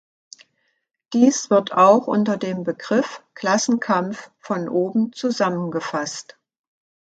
Dies wird auch unter dem Begriff "Klassenkampf von oben" zusammengefasst.